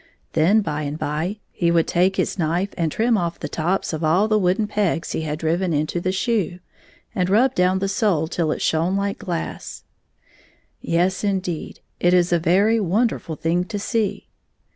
Then, by and by, he would take his knife and trim off the tops of all the wooden pegs he had driven into the shoe, and rub down the sole till it shone Uke glass. Yes, indeed ! It is a very wonderful thing to see.